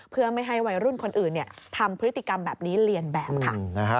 เพื่อไม่ให้วัยรุ่นคนอื่นทำพฤติกรรมแบบนี้เรียนแบบค่ะ